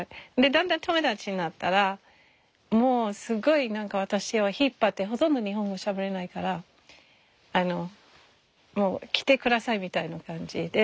だんだん友達になったらもうすごい私を引っ張ってほとんど日本語しゃべれないからもう来てくださいみたいな感じで。